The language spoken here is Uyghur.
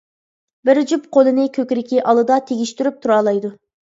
بىر جۈپ قولىنى كۆكرىكى ئالدىدا تېگىشتۈرۈپ تۇرالايدۇ.